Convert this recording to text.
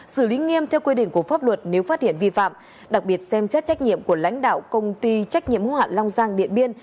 xử lý nghiêm theo quy định của pháp luật nếu phát hiện vi phạm đặc biệt xem xét trách nhiệm của lãnh đạo công ty trách nhiệm hữu hạn long giang điện biên